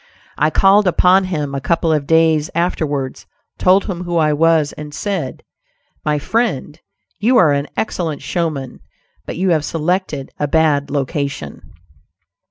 I called upon him a couple of days afterwards; told him who I was, and said: "My friend, you are an excellent showman, but you have selected a bad location."